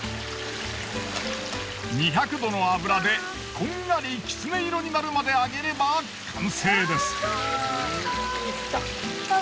２００℃の油でこんがりきつね色になるまで揚げれば完成です。